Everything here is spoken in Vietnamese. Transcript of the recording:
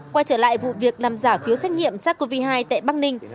quay trở lại vụ việc làm giả phiếu xét nghiệm sars cov hai tại bắc ninh